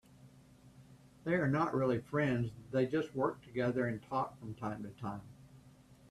They are not really friends, they just work together and talk from time to time.